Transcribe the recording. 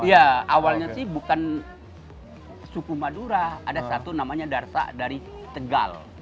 ya awalnya sih bukan suku madura ada satu namanya darsa dari tegal